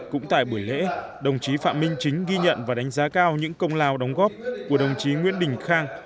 cũng tại buổi lễ đồng chí phạm minh chính ghi nhận và đánh giá cao những công lao đóng góp của đồng chí nguyễn đình khang